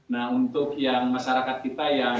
nah untuk yang masyarakat kita yang